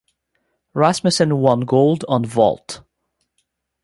Rasmussen won gold on vault.